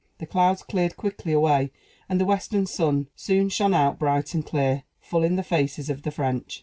The clouds cleared quickly away, and the western sun soon shone out bright and clear, full in the faces of the French.